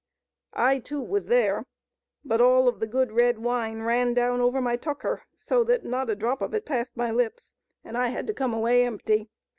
I, too, was there ; but all of the good red wine ran down over my tucker, so that not a drop of it passed my lips, and I had to come away empty.